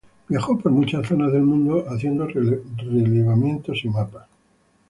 Viajó por muchas zonas del mundo, haciendo relevamientos y mapas.